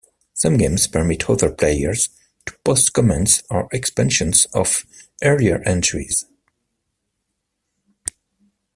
Some games permit other players to post comments or expansions of earlier entries.